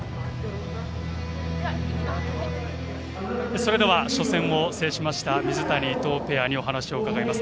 それでは初戦を制しました水谷・伊藤ペアにお話を伺います。